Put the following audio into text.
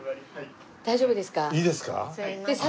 大丈夫ですか？